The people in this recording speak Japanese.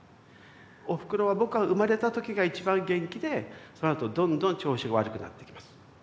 おふくろは僕が生まれた時が一番元気でそのあとどんどん調子が悪くなっていきます。